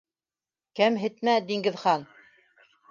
Кәмһетмә, Диңгеҙхан!